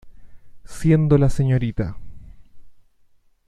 Siendo la Srta.